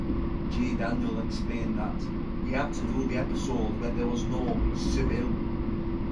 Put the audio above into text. Jay Daniel explained that, we had to do episodes where there was no Cybill.